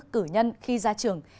cử nhân khi ra trường